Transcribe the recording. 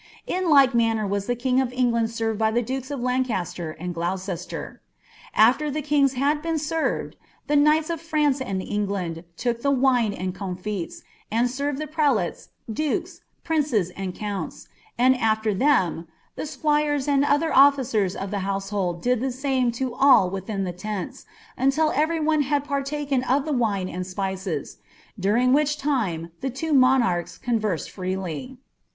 In like manner was lh« king of England aerred by ihe duke« of Lancaster and Gloucester. Af^r the kings had been served, the knights of France and England look the wine and comliU and served the prelates, dukes, princes, and counia; hI, BfWr them, the stiuirea and other ollicera of the household did the Di(> to all within the tenia, unlil every one had partaken of the win» l I »picM; during which lime the two monarchs conversed freely.